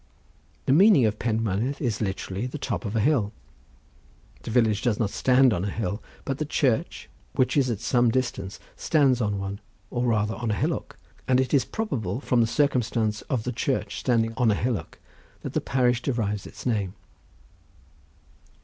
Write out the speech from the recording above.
The meaning of Penmynnydd is literally the top of a hill. The village does not stand on a hill, but the church, which is at some distance, stands on one, or rather on a hillock. And it is probable from the circumstance of the church standing on a hillock, that the parish derives its name.